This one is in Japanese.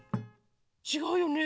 ちがうよね。